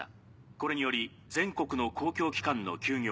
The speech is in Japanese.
これにより全国の公共機関の休業